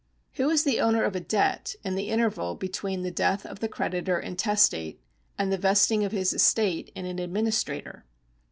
Who is the owner of a debt in the interval between the death of the creditor intestate and the vesting of his estate in an administrator